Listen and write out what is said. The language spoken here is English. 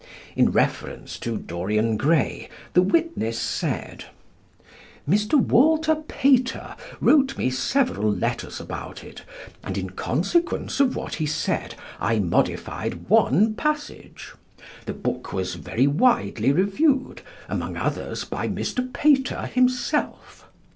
In reference to "Dorian Gray" the witness said: "Mr. Walter Pater wrote me several letters about it, and in consequence of what he said I modified one passage. The book was very widely reviewed, among others by Mr. Pater himself.